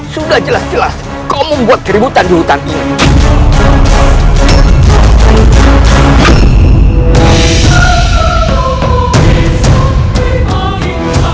sudah jelas jelas kau membuat keributan di hutan ini